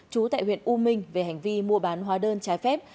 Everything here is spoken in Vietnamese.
chú tại huyện u minh về hành vi mua bán hóa đơn trái phép